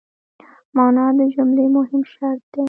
مانا د جملې مهم شرط دئ.